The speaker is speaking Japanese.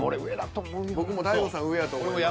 僕も大悟さん上やと思います。